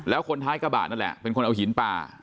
แล้วคนท้ายกระบะนั่นแหละเป็นคนเอาหินปลา